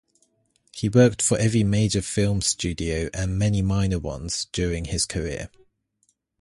He worked for every major film studio-and many minor ones-during his career.